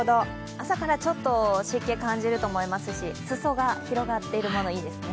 朝からちょっと湿気感じると思いますし裾が広がっているものがいいですね。